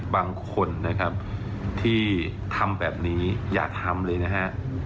บางคนนะครับที่ทำแบบนี้อย่าทำเลยนะฮะ